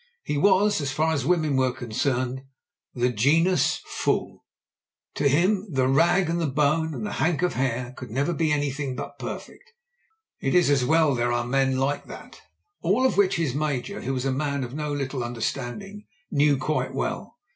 He was — ^as far as women were con cerned — of the genus f ooL To him "the rag, and the bone, and the hank of hair^' could never be anything but perfect. It is as well that there are men like that. All of which his major — who was a man of no little understanding — knew quite well.